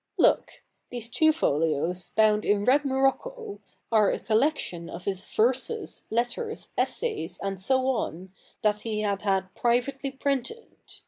Look ! these two folios, bound in red morocco, are a collection of his verses, letters, essays and so on, that he had had privately printed.